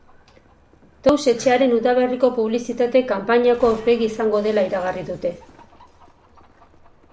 Tous etxearen udaberriko publizitate kanpainako aurpegia izango dela iragarri dute.